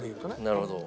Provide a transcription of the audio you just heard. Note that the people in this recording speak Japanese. なるほど。